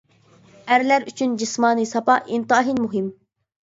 ئەرلەر ئۈچۈن جىسمانىي ساپا ئىنتايىن مۇھىم.